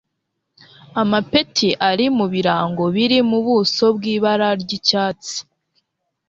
amapeti ari mu birango biri mu buso bw'ibara ry'icyatsi